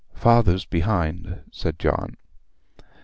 'Father's behind,' said John.